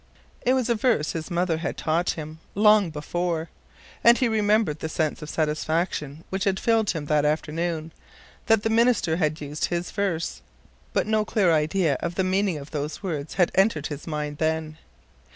It was a verse his mother had taught him long before, and he remembered the sense of satisfaction which had filled him that afternoon, that the minister had used his verse ; but no clear idea of the meaning of those words had entered his mind then.